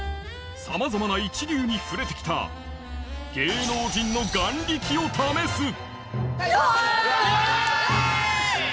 さまざまな一流に触れて来た芸能人のうわ！